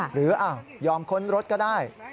หรือยอมค้นรถก็ได้